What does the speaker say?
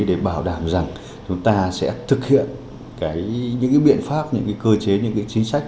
để bảo đảm rằng chúng ta sẽ thực hiện những biện pháp những cơ chế những chính sách